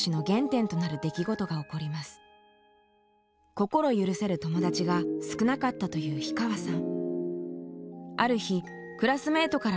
心許せる友達が少なかったという氷川さん。